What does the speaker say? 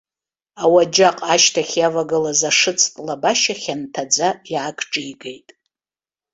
Ауаџьаҟ ашьҭахь иавагылаз ашыцтә лабашьа хьанҭаӡа иаагҿигеит.